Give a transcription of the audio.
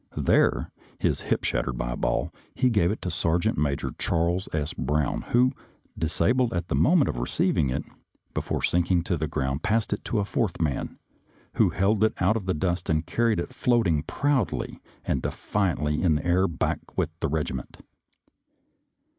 There, his hip shattered by a ball, he gave it to Sergeant Major Charles S. Brown, who, disabled at the moment of receiving it, before sinking to the ground passed it to a fourth man, who held it out of the dust and carried it floating proudly and de fiantly in the air back with the regiment.